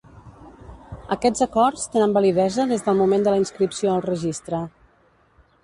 Aquests acords tenen validesa des del moment de la inscripció al Registre.